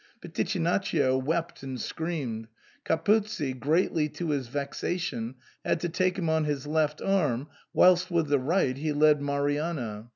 Pitichinaccio wept and screamed ; Capuzzi, greatly to his vexation, had to take him on his left arm, whilst with the right he led Marianna.